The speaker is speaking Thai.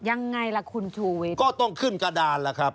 ยังไงล่ะคุณชูวิทย์ก็ต้องขึ้นกระดานล่ะครับ